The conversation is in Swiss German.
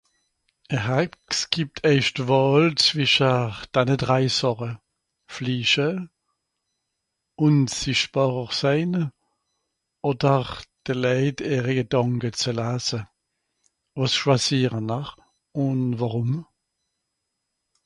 Une sorcière vous donne le choix entre ces 3 choses ; voler, être invisible ou lire les pensées des gens. que choisissez vous ?